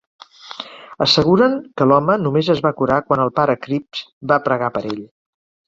Asseguren que l'home només es va curar quan el pare Cripps va pregar per ell.